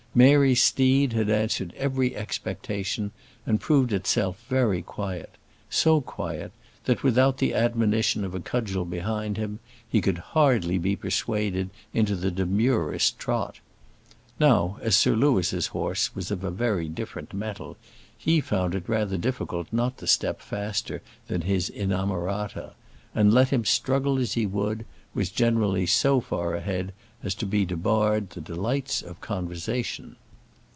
Mary's steed had answered every expectation, and proved himself very quiet; so quiet, that without the admonition of a cudgel behind him, he could hardly be persuaded into the demurest trot. Now, as Sir Louis's horse was of a very different mettle, he found it rather difficult not to step faster than his inamorata; and, let him struggle as he would, was generally so far ahead as to be debarred the delights of conversation.